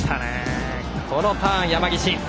このターン、山岸。